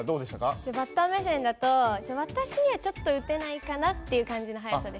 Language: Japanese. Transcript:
バッター目線だと私にはちょっと打てないかなっていう感じの速さでした。